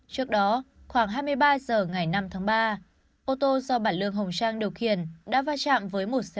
trước đó khoảng hai mươi ba h ngày năm tháng ba ô tô do bản lương hồng trang điều khiển đã va chạm với một xe